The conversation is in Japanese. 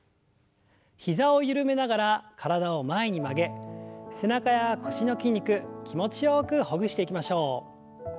膝を緩めながら体を前に曲げ背中や腰の筋肉気持ちよくほぐしていきましょう。